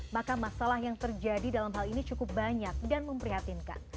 maka masalah yang terjadi dalam hal ini cukup banyak dan memprihatinkan